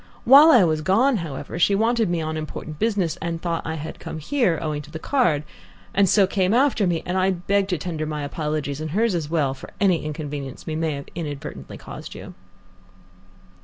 While I was gone, however, she wanted me on important business, and thought I had come here, owing to the card, and so came after me, and I beg to tender my apologies, and hers as well, for any inconvenience we may have inadvertently caused you."